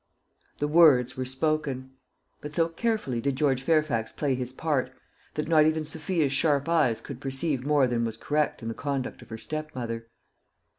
The words were spoken; but so carefully did George Fairfax play his part, that not even Sophia's sharp eyes could perceive more than was correct in the conduct of her stepmother.